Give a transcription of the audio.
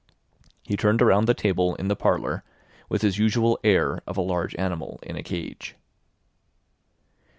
He turned around the table in the parlour with his usual air of a large animal in a cage.